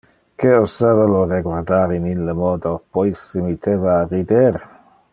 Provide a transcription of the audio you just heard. Que osava lo reguardar in ille modo: pois se mitteva a rider.